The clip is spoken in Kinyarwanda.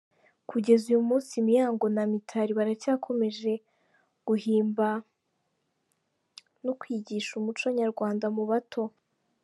Kugeza uyu munsi, Muyango n’Imitari baracyakomeje guhimba no kwigisha umuco nyarwanda mu bato.